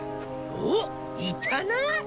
おっいたな。